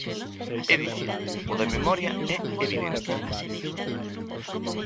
É dicir, o da memoria é evidente.